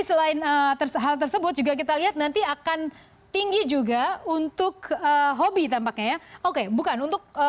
selain hal tersebut juga kita lihat nanti akan tinggi juga untuk hobi tampaknya ya oke bukan untuk